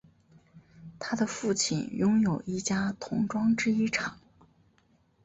他的父亲拥有一家童装制衣厂。